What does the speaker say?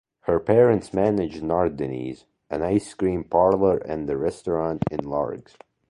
Her parents managed Nardini's, an ice cream parlour and restaurant in Largs.